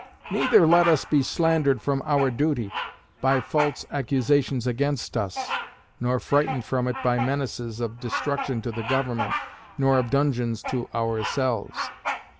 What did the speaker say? Neither let us be slandered from our duty by false accusations against us, nor frightened from it by menaces of destruction to the Government nor of dungeons to ourselves.